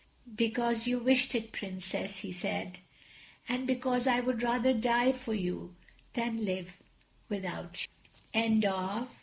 "Because you wished it, Princess," he said, "and because I would rather die for you than live without you."